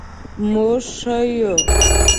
مونږ ښه یو